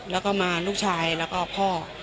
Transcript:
แล้วก็มาลูกชายแล้วก็พ่อ